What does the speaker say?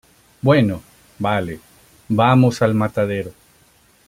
bueno, vale, vamos al matadero.